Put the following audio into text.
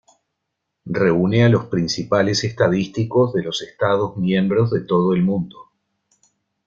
Reúne a los principales estadísticos de los estados miembros de todo el mundo.